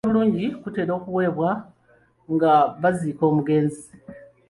Okwogera okulungi kutera okuweebwa nga baziika omugezi.